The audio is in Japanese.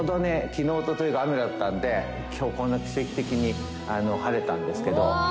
昨日おとといが雨だったんで今日こんな奇跡的に晴れたんですけど。